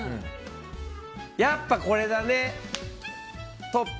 やっぱこれだね、トッポ。